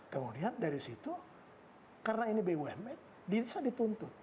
kemudian dari situ karena ini bumn bisa dituntut